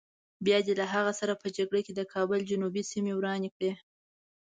بیا دې له هغه سره په جګړه کې د کابل جنوبي سیمې ورانې کړې.